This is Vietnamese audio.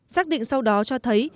xác định sau đó cho thấy